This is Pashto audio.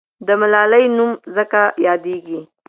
د ملالۍ نوم ځکه یاديږي.